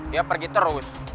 dia pergi terus